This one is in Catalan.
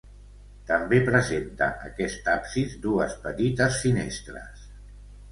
També presenta aquest absis dues petites finestres.